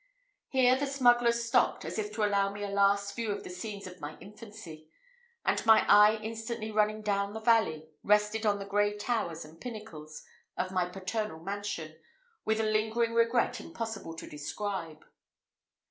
Here the smuggler stopped as if to allow me a last view of the scenes of my infancy; and my eye instantly running down the valley, rested on the grey towers and pinnacles of my paternal mansion with a lingering regret impossible to describe.